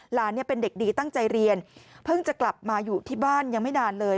หลานเป็นเด็กดีตั้งใจเรียนเพิ่งจะกลับมาอยู่ที่บ้านยังไม่นานเลย